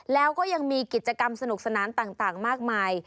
แล้วก็ยังมีกิจกรรมสนุกสนานต่างมากมาย